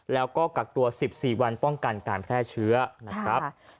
แล้วก็กักตัว๑๔วันป้องกันการแพร่เชื้อนะครับ